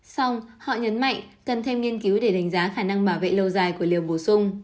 xong họ nhấn mạnh cần thêm nghiên cứu để đánh giá khả năng bảo vệ lâu dài của liều bổ sung